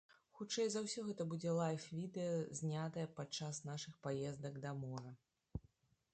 Хутчэй за ўсё, гэта будзе лайф-відэа, знятае падчас нашых паездак да мора.